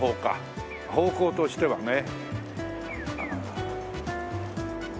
方向としてはね。